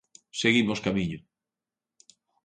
Seguimos camiño.